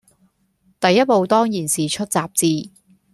第一步當然是出雜誌，